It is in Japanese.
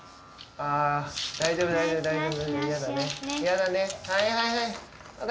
あぁ大丈夫大丈夫。